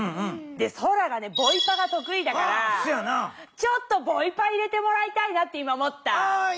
そらがボイパがとくいだからちょっとボイパ入れてもらいたいなって今思った。